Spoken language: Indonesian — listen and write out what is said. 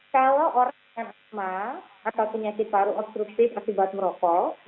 kalau orang yang emas atau punya paru obstruktif masih buat merokok